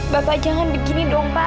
bapak jangan begini dong pak